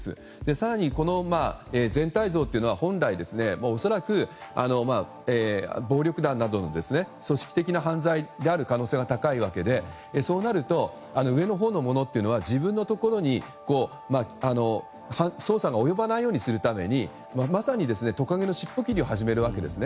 更にこの全体像というのは本来、恐らく暴力団などの組織的な犯罪である可能性が高いわけでそうなると、上のほうの者は自分のところに捜査が及ばないようにするためにまさにトカゲのしっぽ切りを始めるわけなんですね。